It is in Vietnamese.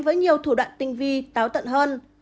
với nhiều thủ đoạn tinh vi táo tận hơn